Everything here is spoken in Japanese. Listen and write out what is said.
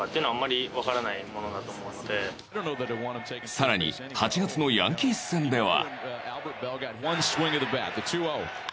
更に８月のヤンキース戦では。